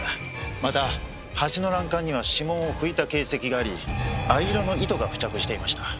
また橋の欄干には指紋を拭いた形跡があり藍色の糸が付着していました。